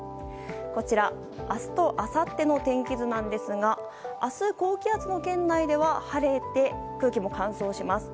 こちら、明日とあさっての天気図なんですが明日、高気圧の圏内では晴れて、空気も乾燥します。